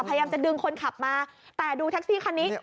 พยายามจะดึงคนขับมาแต่ดูแท็กซี่คันนี้